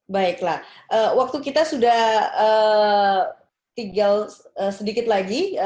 baiklah waktu kita sudah tinggal sedikit lagi